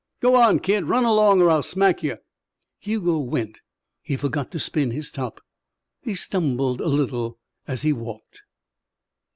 "Go on, kid. Run along. I'll smack you." Hugo went. He forgot to spin his top. He stumbled a little as he walked.